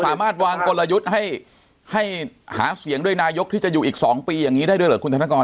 สามารถวางกลยุทธ์ให้หาเสียงด้วยนายกที่จะอยู่อีก๒ปีอย่างนี้ได้ด้วยเหรอคุณธนกร